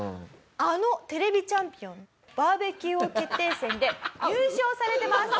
あの『ＴＶチャンピオン』バーベキュー王決定戦で優勝されてます。